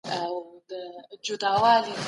څېړونکی باید د حوالې په ورکولو کې امانتدار وي.